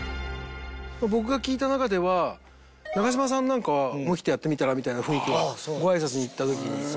僕が聞いた中では長嶋さんなんかは「思い切ってやってみたら」みたいな雰囲気はごあいさつに行った時に。